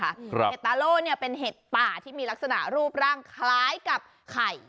เห็ดตาโล่เนี่ยเป็นเห็ดป่าที่มีลักษณะรูปร่างคล้ายกับไข่